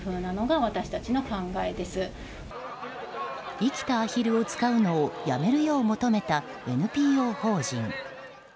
生きたアヒルを使うのをやめるよう求めたＮＰＯ法人。